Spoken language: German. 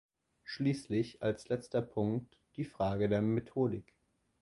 Schließlich als letzter Punkt die Frage der Methodik.